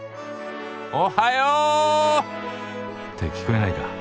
おはよ！って聞こえないか。